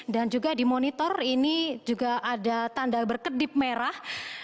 dan juga di monitor ini juga ada tanda berkedip merah